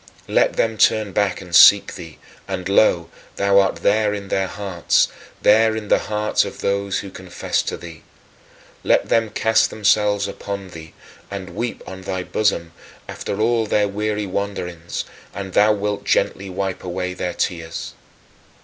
Let them turn back and seek thee and lo, thou art there in their hearts, there in the hearts of those who confess to thee. Let them cast themselves upon thee, and weep on thy bosom, after all their weary wanderings; and thou wilt gently wipe away their tears.